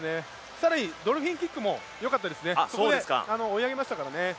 更にドルフィンキックも良かったですね、ここで泳げましたから。